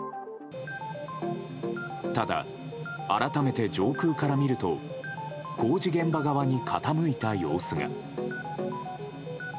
ただ、改めて上空から見ると工事現場側に傾いた様子が。